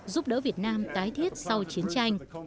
giúp đỡ việt nam tái thiết sau chiến tranh